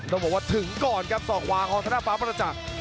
ต้องบอกว่าถึงก่อนครับศอกขวาของธนาฟ้าประจักษ์